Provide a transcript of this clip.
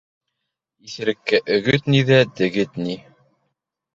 Иҫереккә өгөт ни ҙә, дегет ни.